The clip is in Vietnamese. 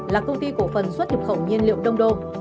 là công ty cổ phần xuất nhập khẩu nhiên liệu đông đô